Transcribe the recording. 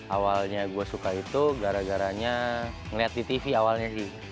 awalnya gue suka itu gara garanya ngeliat di tv awalnya sih